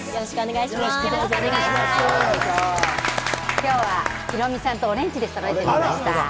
今日はヒロミさんとオレンジでそろえてみました。